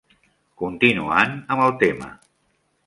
Continuant amb el tema.